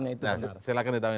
nah silahkan ditanyakan